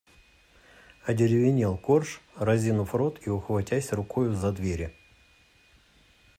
Одеревенел Корж, разинув рот и ухватясь рукою за двери.